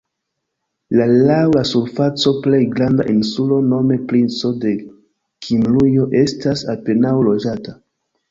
La laŭ la surfaco plej granda insulo nome Princo de Kimrujo estas apenaŭ loĝata.